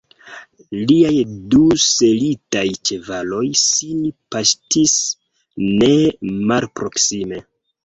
Liaj du selitaj ĉevaloj sin paŝtis ne malproksime.